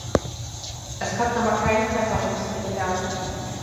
Es konnten aber keine Treffer registriert werden.